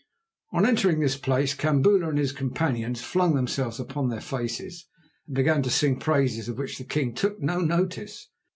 On entering this place Kambula and his companions flung themselves upon their faces and began to sing praises of which the king took no notice.